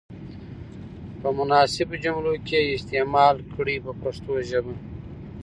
په مناسبو جملو کې یې استعمال کړئ په پښتو ژبه.